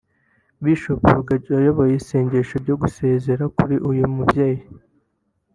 Bishop Rugagi wayoboye isengesho ryo gusezera kuri uyu mubyeyi